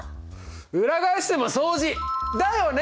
裏返しても相似！だよね！